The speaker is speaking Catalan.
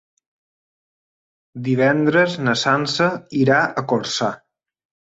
Divendres na Sança irà a Corçà.